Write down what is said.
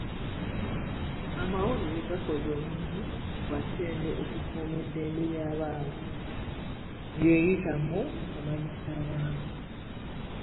Amawulire gakoze omulimu gwa ttendo okukuuma eddembe ly'abaana ng'eyita mu kumanyisa abantu.